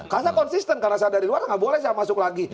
karena saya konsisten karena saya dari luar nggak boleh saya masuk lagi